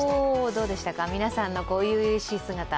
どうでしたか、皆さんの初々しい姿。